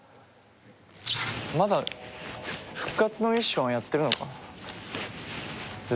まだ復活のミッションはやってるのかな？